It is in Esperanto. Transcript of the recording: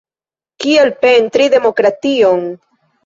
Kiel pentri demokration?